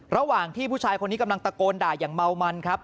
ระหว่างที่ผู้ชายคนนี้กำลังตะโกนด่าอย่างเมามันครับ